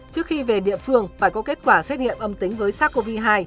trước khi về địa phương phải có kết quả xét nghiệm âm tính với sars cov hai